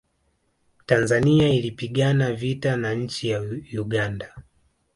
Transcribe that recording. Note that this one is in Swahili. tanzania ilipigana vita na nchi ya uganda